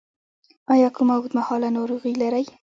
ایا کومه اوږدمهاله ناروغي لرئ؟